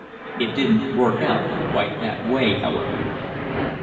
"It didn't work out quite that way, however...."